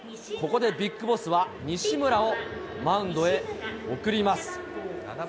ここでビッグボスは、西村をマウンドへ送ります。